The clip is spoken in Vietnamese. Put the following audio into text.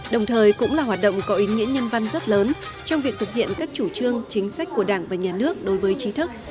đồng thời cũng là hoạt động có ý nghĩa nhân văn rất lớn trong việc thực hiện các chủ trương chính sách của đảng và nhà nước đối với trí thức